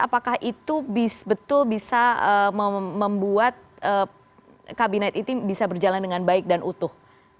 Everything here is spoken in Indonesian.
apakah itu betul bisa membuat kabinet ini bisa berjalan dengan baik dan utuh